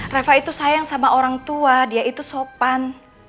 rafa itu sayang sama orang tua dia itu sopan